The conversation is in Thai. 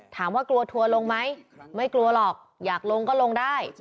ถามว่ากลัวทัวร์ลงไหมไม่กลัวหรอกอยากลงก็ลงได้